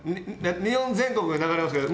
日本全国に流れますけど。